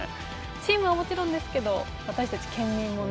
チームはもちろんですけど私たち県民もね